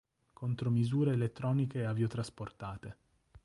Contromisure elettroniche aviotrasportate.